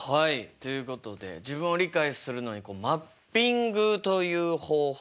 ということで自分を理解するのにマッピングという方法